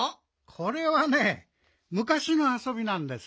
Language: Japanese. これはねむかしのあそびなんです。